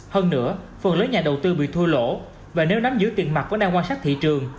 hơn nữa phần lưới nhà đầu tư bị thua lỗ và nếu nắm giữ tiền mặt của nam quan sát thị trường